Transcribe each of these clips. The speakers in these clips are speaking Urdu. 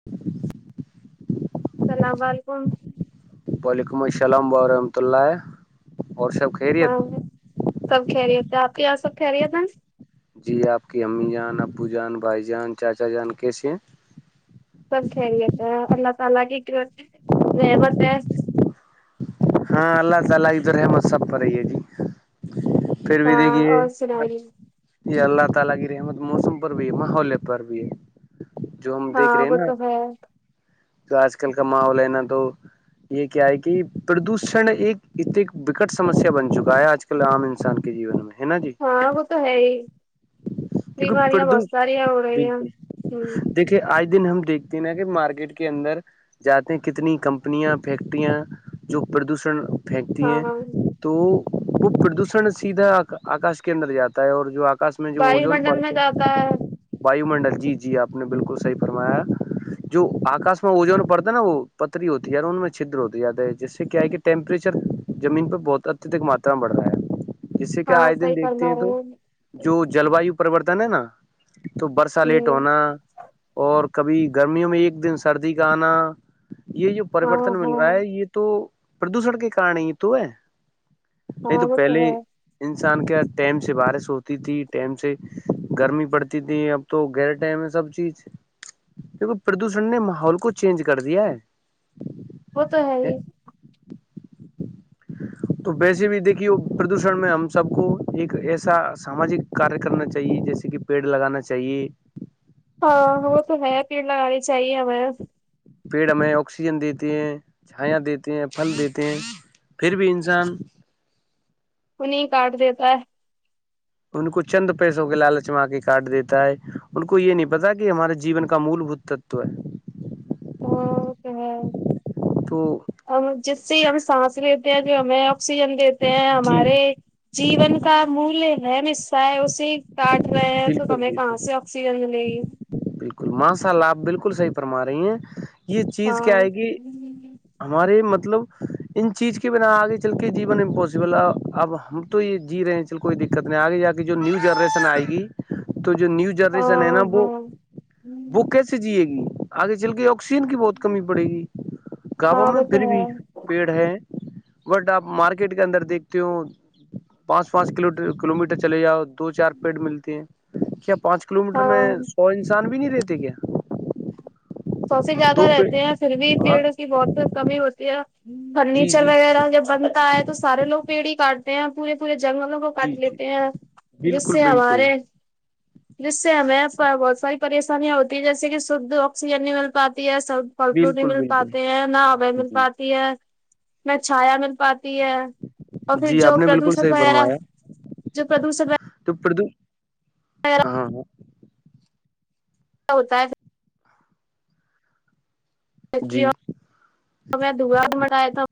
[inaudible] السلام و علیکم وعلیکم السلام ورحمۃ اللہ اور سب خیریت ہاں سب کہیے تھ آپ یہاں سب کہی ہے تھا ن جی آپ کی امی جان ابو جان بھائی جان چاچا جان کیسے ہیں سپ سی آتا اللہ سالگ م درحمت سب پر رہی ہے جی پھر بھی ہاں دیکھیے اور سنائیے یہ سم پر بھی ہے ماحولے پر بھی ہے جو ہم دیکھ ہاں رہے ہیں وہ نا تو ہے تو آج کل کا ماحول ہے نا تو یہ کیا ہے کہ پردوشن ایک اتنے بکٹ سمسیا بن چکا ہے آج کل عام انسان کے جیون میں ہے نا جی ہ وہ تو ہے ہی کیونکہ بیماریاں پردو بستا رہیا ہو رہییا بالکل ہ دیکھیے آج دن ہم دیکھتے ہیں نا کہ مارکیٹ کے اندر جاتے ہیں کتنی کمپنیاں فیکٹریاں جو پردوشن پھینکتی ہیں ہاں تو وہ پردوشن سیدھا آکاش کے اندر جاتا ہے اور جو آکاش میں جو وایو وجون منڈل میں پڑتے جاتا ہے واو منڈل جی جی آپ نے بالکل صحیح فرمایا جو آکش میں اجون پڑتا ہے نا وہ پتری ہوتی ہے ی ان میں چھدر ہوتی یاد ہے جس سے کیا ہے کہ ٹیمپریچر زمین پر بہت اتدک ماترا بڑھ رہا ہے جیس سے کہ ہاں آئے دن صحیح دیکھتے فرما ہیں رہے تو جو جل واو پرریوررتن ہے نا تو برسا لیٹ ہوں ہونا اور کبھی گرمیوں میں ایک دن سردی کا آنا یہ جو ہاں پریوررتن مل ہاں یہ تو پردوشن کے کارنے یہ تو ہے نہیں ہاں تو وہ پہلے ہے انسان کے ٹائم سے بار س ہو تی تھی ٹائم سے گرمی پڑتی تھی اب تو گہرے ٹائم ہے سب چیز کیک پردوشن نے ماحول کو چینج کر دیا ہے وہ تو ہے ہی تو ویسے بھی دیکھیے پردوشن میں ہم سب کو ایک ایسا ساماجک کاریہ کرنا چاہیے جیسے کہ پیڑ لگانا چاہیے ہاں وہ تو نیا پیڑ لگانی چاہیے ہمیں پیڑ میں آکسیجن دیتے ہیں چھایا دیتے ہیں پھل دیتے ہیں پھر بھی انسان ان نہیںیں کاٹ دیتا ہے ان کو چند پیسوں کے لالچ میں کے کاارڈ دیتا ہے ان کو یہ نہیں پتا کہ ہمارے جیون کا مول بھت تت ہے ا کہ تو ہم جس سے ہم سانس لیتے ہیں جو ہمیں آکسیجن دیتے ہیں جی ہمارے جیون کا مل ہے مسا ہے اسے کاٹ رہے ہیں تو بالکل ہمیں کہاں بالکل سے آکسیجن ملے گی بالکل ماںشاء اللہ آپ بالکل صحیح فرما رہی ہیں یہ چیز کیا ہاں آئے گی ہمارے مطلب ان چیز کے بنا آگے چل کے جیون امپوسبل ہے اب ہم تو یہ جی رہے ہیں چل کوئی دقت نہیں آ گی یا کہ جو نیو جنریشن آئے گی تو جو نیو جنریشن ہے نا ہاں وہ ہاں وہ کیسے جیے گی آگے چل کے آکسیجن کی بہت کمی پڑے گی کعبوں ہاں میں وہ تو پھر ہے بھی پیڑ ہے بٹ آپ مارکیٹ کے اندر دیکھتی ہو پانچ پانچ کلو کلو میٹر چلے جاؤ دو چار پیڑ ملتے ہیں کیا پانچ کلو میٹر میں ہاں سو انسان بھی نہیں رہتے کیا سو سے زیادہ دو پیڑ رہتے ہیں پھر بھی ہاں پیڑ کی بہت کمی ہوتی ہے جی فرنیچر جی وغیرہ جب بنتا ہے تو سارے لوگ پیڑھی کاٹتے ہیں پورے پورے جنگل کو کاٹ جی جی لیتے ہیں جس بالکل سے بالکل ہمارے جس سے ہمیں بہت ساری پریشانیاں ہوتی ہیں جیسے کہ شھ آکسیجن نہیں مل پاتی ہے سب پھل فروٹ ہی بالکل مل بالکل پاتے ہیں نہ آول مل جی پاتی ہے نہ چھایا مل پاتی اور پھر جی جو آپ نے بالکل پردوشن صحیح وغیرہ جو پردوشن توپڑ دو ہاںاں ہوتا ہے جی میں د مٹیا تھا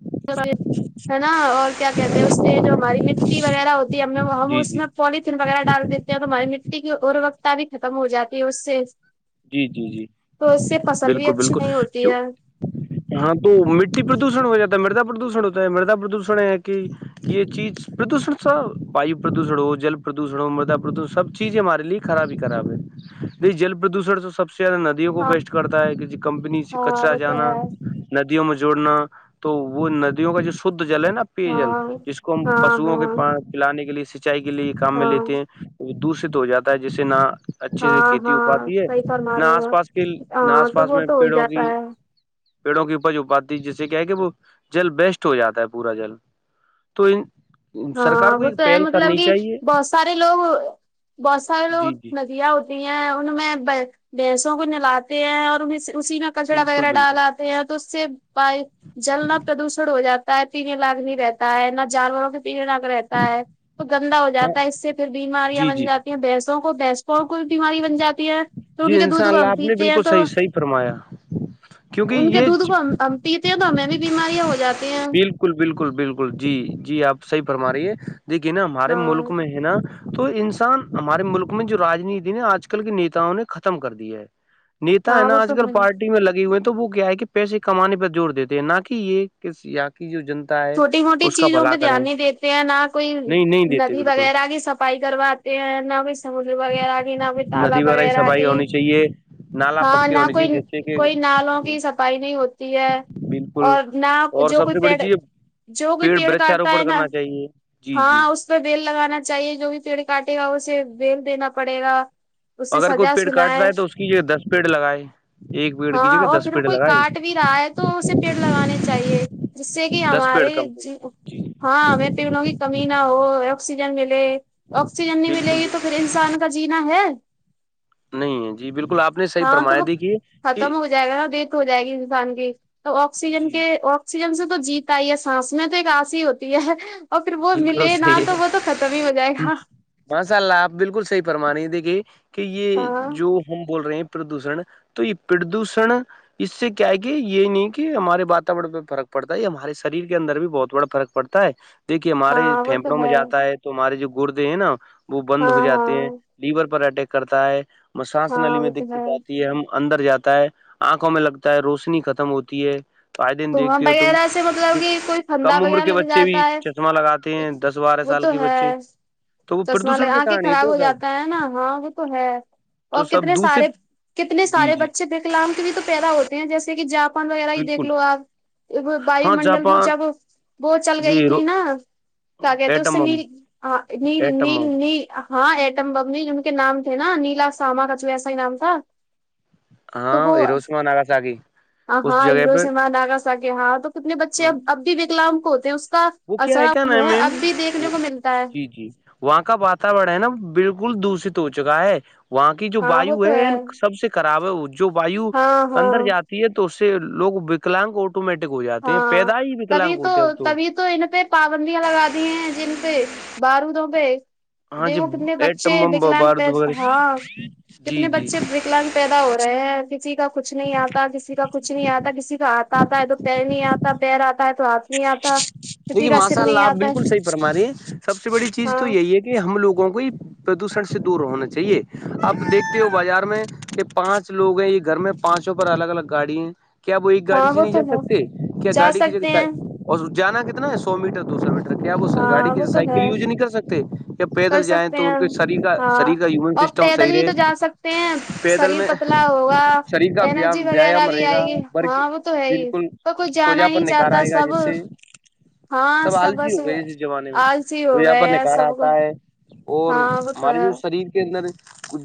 ہے نا اور کیا کہتے ہیں اس سے جو ہماری مٹی وغیرہ ہوتی ہے ہم ہم جی اس جی میں پولیتھین وغیرہ ڈال دیتے ہیں تو ہماری مٹی کی اروکتا بھی ختم ہو جاتی ہے اس سے جی جی جی تو اس سے فصل بھی بالکل اچھی بالکل نہیں ہوتی کیوں ہے ہاں تو مٹی پردوشن ہو جاتا ہے مردا پردوشن ہوتا ہے مردا پردوشن ہے کہ یہ چیز پردوشن سا واو پردوشن ہو جل پردوشن ہو مردہ پردشن سب چیزیں ہمارے لیے خراب ہی خراب ہے ج جل پردوشر سے سب سے زیادہ ندیوں کو ہاں وسٹ کرتا ہے کہ کمپنی سے ہاں کچرا وہ تو جانا ہے ندیوں میں جوڑنا تو وہ ندیوں کا جو شھ جل ہے نا پیجل ہاں جس کو ہم ہاں پشوں کے ہاں پلانے کے لیے سینچائی کے لیے کام میں ہاں لیتے ہیں دشت ہو جاتا ہے جسے نہ اچھے سے ہاں کھیتی بات ہاں ہے صحیح فرما نہ رہے ہو آس پاس آپ کے نہ ہاں آس تو پاس وہ میں تو ہو ہی پیڑوں جاتا کی ہے پیڑوں کی اپج ا پاتی جس سے کیا ہے کہ وہ جل بیسٹ ہو جاتا ہے پورا جل تو ان سرکار ہاں کو وہ ایک تو ہے پہل مطلب کرنی کہ چاہیے بہت سارے لوگ بہت سارے جی لوگ جی ندیاں ہوتے ان میں بھینسوں کو نلاتے ہیں اور انیں اسی میں کچڑا بالکل وغیرہ بالکل ڈالات تو سے بائی جل نہ پردوشن ہو جاتا ہے پینے لاگ نہیں رہتا ہے نہ جانوروں کے پناک رہتا ہے تو گندا ہو ہاں جاتا ہے اس سے پھر بیماریاں جی بن جی جاتی ہیں بسوں کو بی اور کوئی بیماری بن جاتی ہے تو جی انی کے انشاء دودھ کو اللہ ہم آپ نے پیتے ہیں بالکل تو صحیح صحیح فرمایا کیونکہ ان کے یہ دودھ چ- کو ہم پیتے ہیں تو ہمیں بھی بیماریاں ہو جاتی ہیں بالکل بالکل بالکل جی جی آپ صحی فرما رہی ہے دیکھی نا ہمارے ہاں ملک میں ہے نا تو انسان ہمارے ملک میں جو رانیتی نا آج کل کے نیتاؤں نے ختم کر دیا ہے نتا ہے ہاں نا وہ تو آج کل پارٹی میں لگے ہوئے ہیں تو وہ کیا ہے کہ پیسے کمانے پہ جوور دیتے ہیں نہ کہ یہ یا کی جو جنتا ہے چھوٹی موٹی اس کا چیزوں پہ بھلا دھیان کریں نہیں دیتے ہیں نہ کوئی نہیں نہیں دیتے ندی بالکل وغیرہ کی صفائی کرواات نہ بئی سملی وغیرہ آ گ نہ ب تال ندی کی وغیرہ آ صفائی گھی ہونی چاہیے نالا ہاں پکے نہ ہونی کوئی چاہیے جس سے کہ کوئی نالوں کی صفائی نہیں ہوتی ہے بالکل اور نہ اور جو سب کوئی سے بڑی پیڑ چیز ہے جو کوئی پیڑ کاٹتا ہے نا جی جی ہاں اس اس پہ بیل لگانا چاہیے جو بھی پیڑ کاٹے گا اسے بیل دینا پڑے گا اس سے اگر کوئی سجا پیڑ سنا کاٹ رہا ہے تو اس کی جگہ دس پیڑ لگائے ایک پیڑ کی ہاں جگہ اور دس پھر وہ پیڑ کوئی لگائے کاٹ بھی رہا ہے تو اسے پیڑ لگانے چاہیے جس سے کہ دس پیڑ ہمارے کم سے کم جی ہاں میں پیڑوں کی کمی نہ ہو آکسیجن ملے آکسیجن نہیں ملے بالکل گی تو پھر انسان کا جینا ہے نہیں ہے جی بالکل آپ نے صحیح ہاں فرما تو وہ دی کی کہ ختم ہو جائے گا نا ڈیتھ ہو جائے گی انسان کی تو آکسیجن جی کے جی آکسیجن سے تو جیت یہ سانس میں تو ایک آسی ہی ہوتی ہے اور پھر وہ بالکل ملے نہا تو وہ تو ختم ہی ہو جائے گا ماساء اللہ آپ بالکل صحیح فرم رہے دیکھیے کہ یہ ہاں جو ہم بول رہے ہیں پردوشن تو یہ پردوشن اس سے کیا ہے کہ یہ نہیں کہ ہمارے واتاورن پہ فرق پڑتا ہے یہ ہمارے شریر کے اندر بھی بہت بڑا فرق پڑتا ہے تا ہے دیکھیے ہمارے ہاں وہ تو پھیپڑوں میں جاتا ہے تو ہمارے جو گردے ہیں نا وہ بند ہاں ہو ہاں جاتے ہیں لیور پر اٹیک کرتا ہے سانس نلیی ہاں میں وہ تو دقت آتی ہے ہم اندر جاتا ہے آنکھوں میں لگتا ہے روشنی ختم ہوتی ہے آئے دن دھواں دیکھتی ہو تم وغیرہ سے جو مطلب کہ کوئی کم پھندا عمر وغیرہ کے لگ بچے بھی جاتا ہے چشمہ لگاتی ہیں دس بارہ وہ سال تو کی بچے ہے تو وہ چشمہ ل پردوشن آ کے کارن ہی خراب تو ہو سب جاتا ہے نا ہاں وہ تو ہے تو اور سب کتنے سارے دوشت کتنے جی سارے جی بچے دیکھلام کے بھی تو پیدا ہوتے ہیں جیسے کہ جاپان وغیرہ ہی دیکھ بالکل لو وای ہاں منڈل میں جاپان جب وہ چل جی گئی تھی رو- نا ل گیا تو اس ایٹم سے بم نیل نیل ایٹم نیل بم نیل ہاں ایٹم ببنی جن کے نام تھے نا نیلا ساما کچو ایسا ہی نام تھا تو ہاں وہ ایروسم نغا ساگ اس ہاں جگہ ہیرو پہ ناگا سا کہ ہاں تو کتنے بچے اب بھی وکلاام کو ہوتے اس کا وہ کیا اثر کیا نا ہے میم اب بھی دیکھنے وہ کو ملتا ہے جی جی وہاں کا واتاورن ہے نا بالکل دشت ہو چکا ہے وہاں کی جو ہاں وہ وایو تو ہے سب سے کراب ہے جو وایو ہاں ہاں اندر جاتی ہے تو اس سے لوگ وکلاگ اٹ آٹومیٹک ہو جاتے ہیں ہاں پیدا ہی تبھی بھیکلنگ ہوتے ہیں اب تو تبھی تو ان پہ پابندیاں لگا دی ہیں جن پہ بارودوں پہ ہاں جی دیکھو کتنے بچے ایٹم بم وکلاانگ پ بارود وغیرہ ہاں جی کتنے جی بچے وکلگ پیدا ہو رہے ہیں کسی کا کچھ نہیں آتا کسی کا کچھ نہیں آتا کسی کا آتا آتا ہے تو پ نہیں آتا پیر آتا ہے تو ہاتھ نہیں آتا کسی دیکھیے کا ماشاء سر اللہ نہیں آپ آتا بالکل ہے صحیح فرما رہ ہیں سب سے بڑی چیز تو ہاں یہی ہے کہ ہم لوگوں کو ہی پردوشن سے دور ہونا چاہیے اپ دیکھتے ہو بازار میں کہ پانچ لوگ ہیں یہ گھر میں پانچوں پر الگ الگ گاڑی کیا وہ ایک گاڑی ہاں سے وہ نہیں تو جا ہے سکتے کیا جا گاڑی کی سکتے جگہ ہیں اور جانا کتنا ہے سو میٹر دو سو میٹر کیا آپ گاڑی ہاں کی وہ تو سائیکل ہے یوز نہیں کر سکتے یا کر پیدل جائیں سکتے تو ہیں ان کے شری کا ہاں شریر کا ہیومن اور سسٹم م پیدل بھی سییرے تو جا سکتے ہیں پیدل شریر میں پتلا ہوگا شریر کا انرجی وغیرہ ویایام بھی رہے گا آئے گی برک ہاں وہ تو ہے ہی بالکل پر کوئی توجہ جانا پر نہیں نکار چاہتا آئے گا سب جسے ہاں سب آلجی ہو بس گئی ج زمانے میں آلسی جو ہو یہاں گئے پر ہے نکارا سب کو آتا ہے اور ہاں وہ تو ہمارے ہے جو شریر کے اندر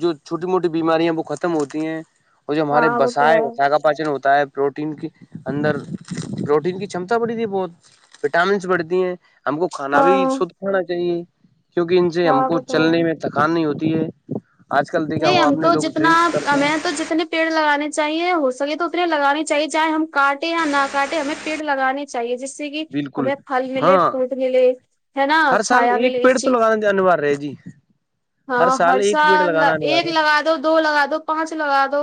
جو چھوٹی موٹی بیمارییاں وہ ختم ہوتی ہیں اور جو ہمارے ہاں وہ تو بسائے ہے بسا کا پاچن ہوتا ہے پروٹین کے اندر پروٹین کی چمتا پڑ ت بہت وٹامنس بڑھتی ہیں ہم کو کھانا بھی ہاں شھ کھانا چاہیے کیونکہ ان سے ہم ہاں کو وہ تو چلنے ہے میں تھکان نہیں ہوتی ہے آج کل دیکھا نہیں ہوں آپ ہم تو نے لوگ جتنا ڈرنکس کرتے ہیں ہمیں تو جتنے پیڑ لگانے چاہیے ہو سکے تو اتنے لگانے چاہیے چاہے ہم کاٹے یا نہ کاٹے ہمیں پیڑ لگانے چاہیے جیس سے کہ بالکل ہمیں پھل ملے ہاں فروٹ ملے ہے نا ہر سال چھایا ایک ملے اس پیڑ تو چیز لگانا [inaudible] ہاں ہر ایک پیڑ سال لگانا انوار ایک ہے لگا دو دو لگا دو پانچ لگا دو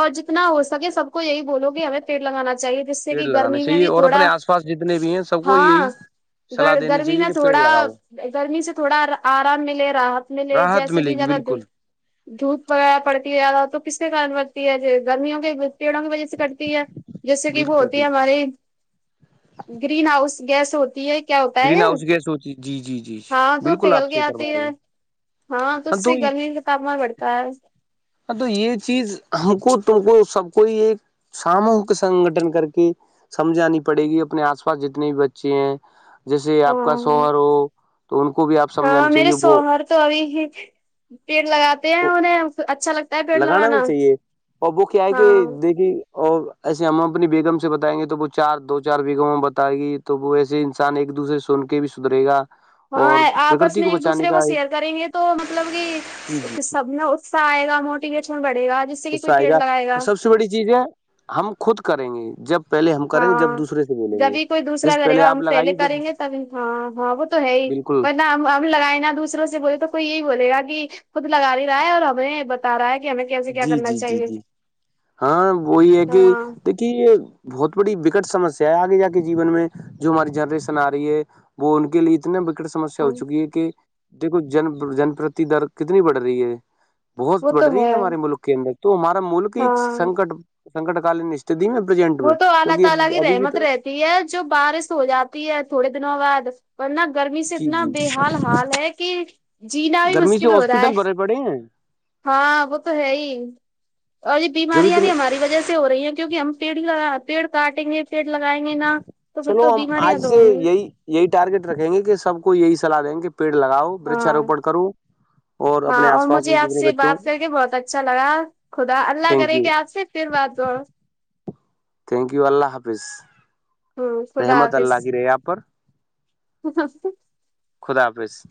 اور جتنا ہو سکے سب کو یہی بولو گے ہمیں پیٹ لگانا چاہیے جس سے پیڑ کہ لگانا گرمی میں چاہیے بھی اور اپنے تھوڑا آس پاس جتنے بھی ہیں سب کو یہی ہاں صلاح گ دینی گرمی چاہیے میں کہ پیڑ تھوڑا لگاؤ گرمی سے تھوڑا آرام ملے رہات میں راحت ملے گی بالکل دھوپ وغیرہ پڑتی ہے زیادہ تو کس کے کار بتی ہے گرمیوں کے پیڑوں کی وجہ سے کٹتی ہے جیسے کہ وہ بالکل ہوتی ہے بالکل ہمارے گرین ہاؤس گیس ہوتی ہے کیا ہوتا ہے گرین ہاؤس گیس ہوتی جی جی جی جی ہاں تو بالکل پگل آپ کے صحیح فرما آتی رہے ہے ہاں تو اس سے گرمی کا تاپمان بڑھتا ہے ہاں تو یہ چیز ہم کو تم کو سب کوئی ایک ساموہک سنگٹن کر کے سمجھانی پڑے گی اپنے آس پاس جتنے بھی بچے ہیں جیسے آپ کا ہاں شوہر ہو تو ان کو بھی آپ ہاں سمجھانا میرے چاہیے وہ سوہر تو ابھی ہی پیڑ لگاتے ہیں انہیں اچھا لگتا ہے پیڑ لگانا بھی چاہیے اور وہ کیا ہے کہ ہاں دیکھیے اور ایسے ہم اپنی بیگم سے بتائیں گے تو وہ چار دو چار بیگم بتائے گی تو وہ ایسے انسان ایک دوسرے سن کے بھی درے گا اور ہاں آپس پرکرتی میں ایک بچانے دوسرے کو کا ایک شیئر کریں گے تو مطلب جی کہ جی سب نے صا آئے گا موٹیویشن بڑے گا جس سے کہ اس کوئی آئے پیڑ گا لگائے سب سے بڑی چیز ہے ہم خود کریں گے جب پہلے ہم کریں گے جب ہاں دوسرے سے بولیں گے جبھی کوئی دوسرا جس کرے گا ہم آپ پہلے لگائیے کریں جب گے تب ہاں ہاں وہ تو ہے ہی بالکل ہم لگائے نا دوسروں سے بول تو کوئی یہی بولے گا کہ خود لگا نہیں رہا ہے اور ہمیں بتا رہا ہے کہ ہمیں کیسے کیا جی کرنا جی جی چاہیے جی ہاں وہی ہے کہ ہاں یہ بہت بڑی بکٹ سمسیا ہے آگے جا کے جیون میں جو ہماری جنریشن آ رہی ہے وہ ان کے لیے اتنے سمسیا ہو ہاں چکی ہے کہ دیکھو جن جن پرتی در کتنی بڑھ رہی ہے بہت وہ بڑھ تو رہی ہے ہمارے ملک کے اندر تو ہمارا ملک ہی ہاں سنکٹ کالین است میں پرزینٹ میں کیکہ ابھی بھی تو یہ جو بارش ہو جاتی ہے تھوڑے دنوں بعد ورنہ گرمی سے جی اتنا جی بے حال حال ہے کہ جینا بھی مشکل ہو رہا ہے بڑے ہیں ہاں وہ تو ہے ہی اور یہ جبھی بیماریاں بھی تمہیں ہماری وجہ سے ہو رہی ہیں کیوںک ہم پیڑ ہی لگا پیڑ کاٹیں گے پیڑ لگائیں گے نا تو پھر چلو تو ہم آج بیماریاں تو سے ہوں گی یہی یہی ٹارگیٹ رکھیں گے کہ سب کو یہی سلاح دیں کہ پیڑ لگاؤ ہاں وچاروپن کرو ہاں اپنے اور آس پاس مجھے بھی آپ جتنے سے بچوں بات کر کے بہت اچھا لگا خدا اللہ تھینک کرے کہ یو آپ سے پھر بات تھینک یو اللہ حافظ ہ خدا رحمت اللہ کی رہے آپ پر تو سی خدا حافظ